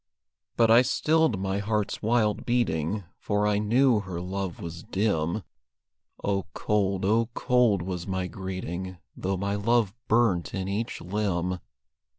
But I stilled my heart's wild beating, For I knew her love was dim; Oh, cold, oh, cold was my greeting, Though my love burnt in each limb.